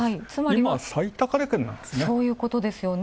今最高値圏なんですね。